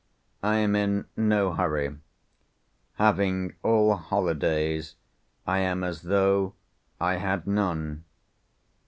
I am in no hurry. Having all holidays, I am as though I had none.